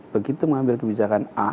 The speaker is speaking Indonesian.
begitu mengambil kebijakan a